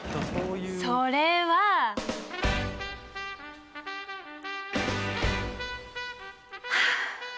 それは！はあ。